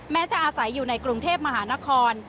จะอาศัยอยู่ในกรุงเทพมหานคร